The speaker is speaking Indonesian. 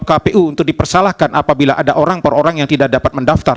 kpu untuk dipersalahkan apabila ada orang per orang yang tidak dapat mendaftar